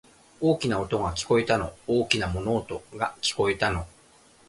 大きな音が、聞こえたの。大きな物音が、聞こえたの。